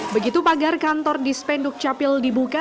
begitu pagar kantor di spenduk capil dibuka